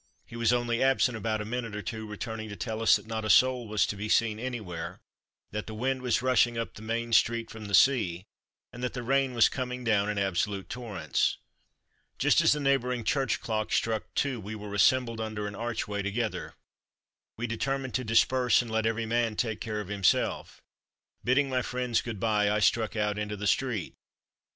He was only absent about a minute or two, returning to tell us that not a soul was to be seen anywhere; that the wind was rushing up the main street from the sea, and that the rain was coming down in absolute torrents. Just as the neighbouring church clock struck two we were assembled under an archway together. We determined to disperse, and let every man take care of himself. Bidding my friends good bye I struck out into the street.